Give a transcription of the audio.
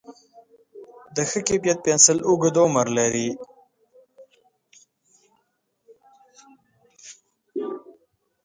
د ښه کیفیت پنسل اوږد عمر لري.